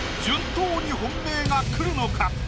順当に本命がくるのか？